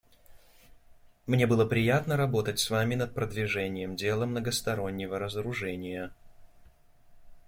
Мне было приятно работать с вами над продвижением дела многостороннего разоружения.